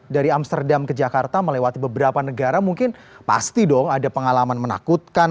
dari amsterdam ke jakarta melewati beberapa negara mungkin pasti dong ada pengalaman menakutkan